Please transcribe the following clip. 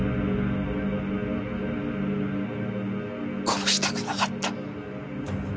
殺したくなかった。